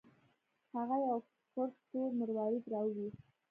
هغه یو ګرد تور مروارید راوویست.